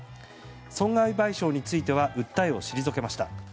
損害賠償については訴えを退けました。